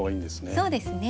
そうですね。